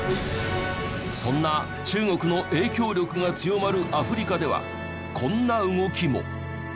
そんな中国の影響力が強まるアフリカではこんな動きも。